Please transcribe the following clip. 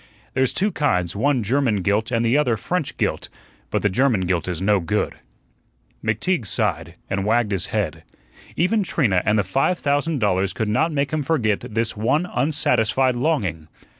There's two kinds, one German gilt and the other French gilt; but the German gilt is no good." McTeague sighed, and wagged his head. Even Trina and the five thousand dollars could not make him forget this one unsatisfied longing.